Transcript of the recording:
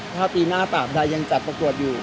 ถ้าปีหน้าตามใดยังจัดประกวดอยู่